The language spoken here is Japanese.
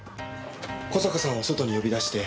小坂さんを外に呼び出して。